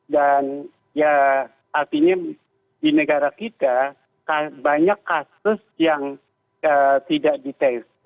dan ya artinya di negara kita banyak kasus yang tidak di test